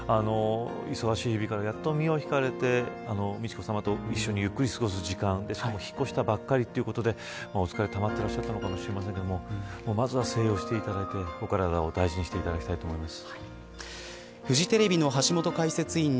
忙しい日々からやっと身をひかれて美智子さまとゆっくり過ごす時間ですとか、引っ越したばかりということで疲れがたまっていたのかもしれませんがまずは静養をしていただいてお体をお大事にしていただきたいと思います。